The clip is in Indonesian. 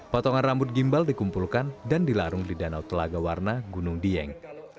potongan rambut gimbal dikumpulkan dan dilarung di danau telaga warna gunung dieng